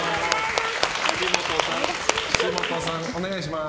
岸本さん、お願いします。